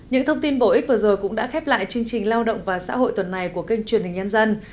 những thông tin bổ ích vừa rồi cũng đã khép lại chương trình lao động và xã hội tuần này